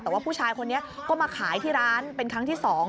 แต่ว่าผู้ชายคนนี้ก็มาขายที่ร้านเป็นครั้งที่๒